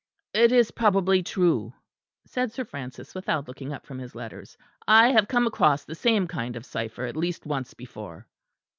"It is probably true," said Sir Francis, without looking up from his letters; "I have come across the same kind of cypher, at least once before."